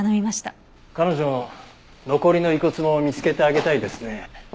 彼女の残りの遺骨も見つけてあげたいですね。